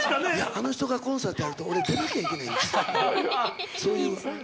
あの人がコンサートやると、俺、出なきゃいけないんです。